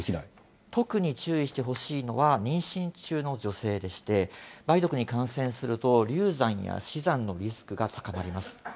特に注意してほしいのは妊娠中の女性でして、梅毒に感染すると流産や死産のリスクが高まります。